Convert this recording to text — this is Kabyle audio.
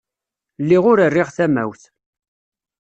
Lliɣ ur rriɣ tamawt.